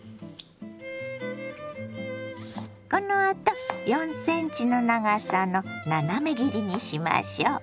このあと４ｃｍの長さの斜め切りにしましょ。